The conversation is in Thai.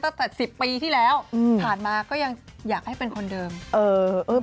ตั้งแต่๑๐ปีที่แล้วผ่านมาก็ยังอยากให้เป็นคนเดิมอืม